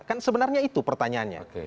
kan sebenarnya itu pertanyaannya